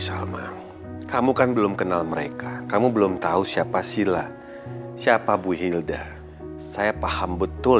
salma kamu kan belum kenal mereka kamu belum tahu siapa sila siapa bu hilda saya paham betul